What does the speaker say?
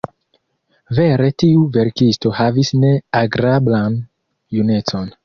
Vere tiu verkisto havis ne agrablan junecon.